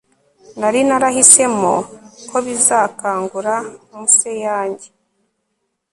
nari narahisemo ko bizakangura muse yanjye